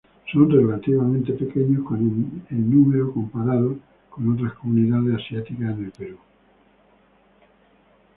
Son relativamente pequeños en número comparados con otras comunidades asiáticas en el Perú.